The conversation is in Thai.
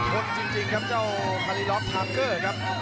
ทดจิงครับกัลลี่รอบถังเกอร์ครับ